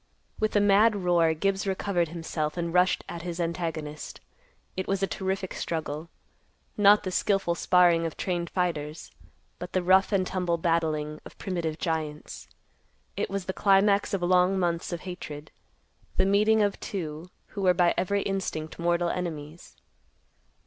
With a mad roar, Gibbs recovered himself and rushed at his antagonist. It was a terrific struggle; not the skillful sparring of trained fighters, but the rough and tumble battling of primitive giants. It was the climax of long months of hatred; the meeting of two who were by every instinct mortal enemies.